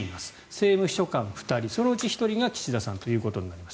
政務秘書官２人、そのうち１人が岸田さんということになります。